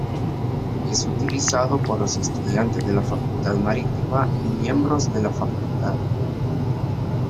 Es utilizado por los estudiantes de la Facultad Marítima y miembros de la facultad.